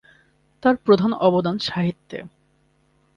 তাঁর প্রধান অবদান সাহিত্যে।